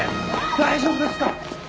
大丈夫ですか？